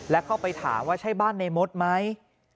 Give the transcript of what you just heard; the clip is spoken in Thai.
และเข้าไปถามว่าใช่บ้านในมดไหม